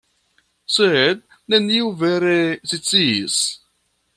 Sed neniu vere sciis.